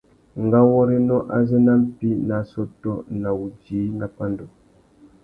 Ngáwôrénô azê na mpí nà assôtô na wudjï nà pandú.